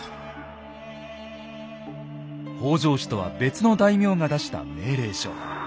北条氏とは別の大名が出した命令書。